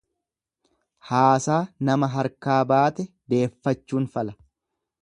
Haasaa nama harkaa baate deeffachuun fala.